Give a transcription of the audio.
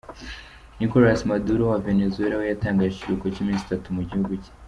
Nicolas Maduro, wa Venezuala we yatangaje ikiruhuko cy’iminsi itatu mu gihugu cye.